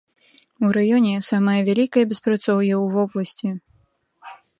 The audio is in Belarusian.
У раёне самае вялікае беспрацоўе ў вобласці.